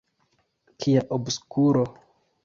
Kia obskuro!